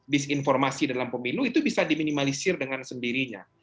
disinformasi dalam pemilu itu bisa diminimalisir dengan sendirinya